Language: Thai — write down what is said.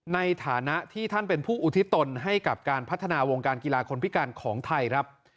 ในฐานะที่ท่านเป็นผู้อุทิศตนให้กับการพัฒนาวงการกีฬาคนพิการของไทยครับ